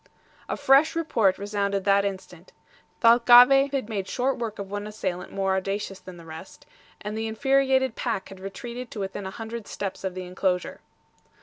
A fresh report resounded that instant. Thalcave had made short work of one assailant more audacious than the rest, and the infuriated pack had retreated to within a hundred steps of the inclosure.